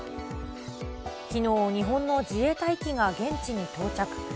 きのう、日本自衛隊機が現地に到着。